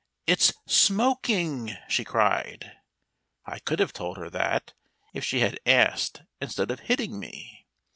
"It's 'smoking!'" she cried. I could have told her that, if she had asked instead of hitting me.